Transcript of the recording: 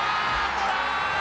トライ！